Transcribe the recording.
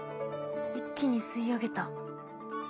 一気に吸い上げた。